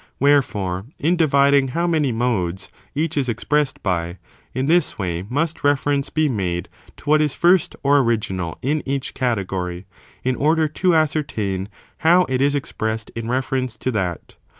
Wherefore, in dividing how many modes each is expressed by, in this way must reference be made to what is first or original in each category, in order to ascertain how it is expressed in reference to that.